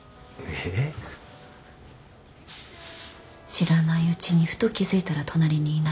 知らないうちにふと気付いたら隣にいない。